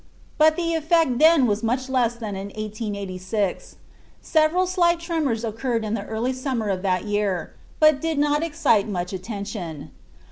But the effect then was much less than in 1886. Several slight tremors occurred in the early summer of that year, but did not excite much attention.